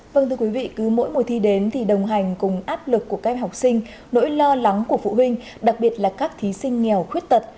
vâng thưa quý vị cứ mỗi mùa thi đến thì đồng hành cùng áp lực của các em học sinh nỗi lo lắng của phụ huynh đặc biệt là các thí sinh nghèo khuyết tật